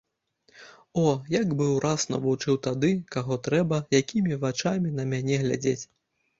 О, я б ураз навучыў тады, каго трэба, якімі вачамі на мяне глядзець!